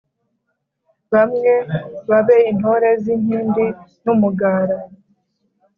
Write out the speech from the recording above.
bamwe babe intore z’inkindi n’umugara